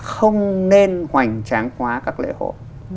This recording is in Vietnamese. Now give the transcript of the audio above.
không nên hoành tráng hóa các lễ hội